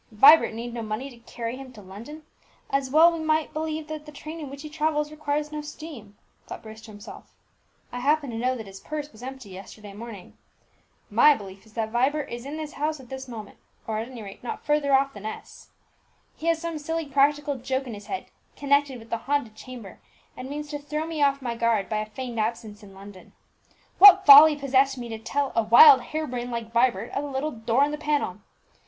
"Vibert need no money to carry him to London! As well might we believe that the train in which he travels requires no steam," thought Bruce to himself. "I happen to know that his purse was empty yesterday morning. My belief is that Vibert is in this house at this moment, or at any rate not further off than S . He has some silly practical joke in his head connected with the haunted chamber, and means to throw me off my guard by a feigned absence in London. What folly possessed me to tell a wild hare brain like Vibert of the little door in the panel?